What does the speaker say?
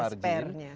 harus ada spare nya